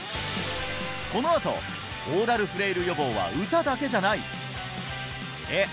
このあとオーラルフレイル予防は歌だけじゃないえっ？